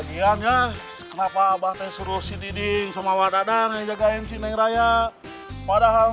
bagiannya kenapa abang teh suruh si diding sama waradana menjaga insinyur raya padahal